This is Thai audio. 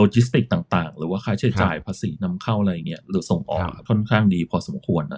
ต่างต่างหรือว่าใครเชื่อจ่ายภาษีนำเข้าอะไรอย่างเงี้ยหรือส่งออกค่อนข้างดีพอสมควรนะ